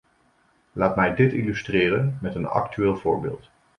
Laat mij dit illustreren met een actueel voorbeeld.